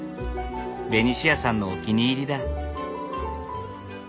ベニシアさんのお気に入りだ。